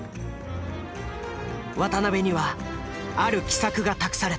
渡辺にはある奇策が託された。